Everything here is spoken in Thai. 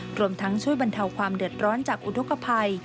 รวมทั้งช่วยบรรเทาความเดือดร้อนจากอุทธกภัย